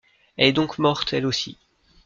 Elle est donc morte elle aussi.